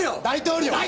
大統領！